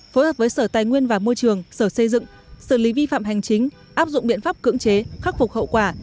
phối hợp với sở tài nguyên và môi trường sở xây dựng xử lý vi phạm hành chính áp dụng biện pháp cưỡng chế khắc phục hậu quả